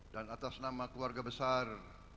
dan atas nama keluarga besar